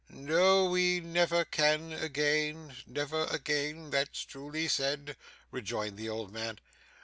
'No, we never can again never again that's truly said,' rejoined the old man.